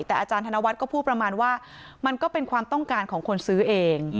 แต่อาจารย์ธนวัฒน์ก็พูดประมาณว่ามันก็เป็นความต้องการของคนซื้อเอง